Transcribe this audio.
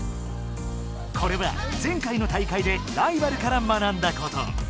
これは前回の大会でライバルから学んだこと。